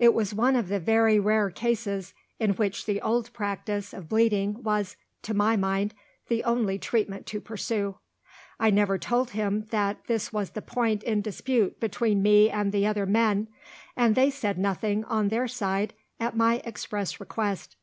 It was one of the very rare cases in which the old practice of bleeding was, to my mind, the only treatment to pursue. I never told him that this was the point in dispute between me and the other men and they said nothing, on their side, at my express request.